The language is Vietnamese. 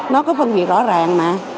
nó có phân biệt rõ ràng mà